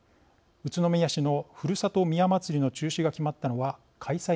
宇都宮市のふるさと宮まつりの中止が決まったのは開催